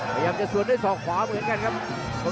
ประยังจะสวนด้วยสองความนึงสมีนกันครับ